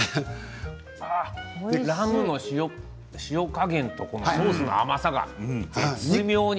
ラムの塩加減とソースの甘さが絶妙に。